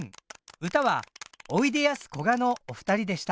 歌はおいでやすこがのお二人でした。